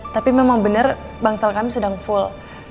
tapi memang benar bangsal kami sedang full